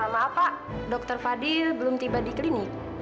ma pa dokter fadil belum tiba di klinik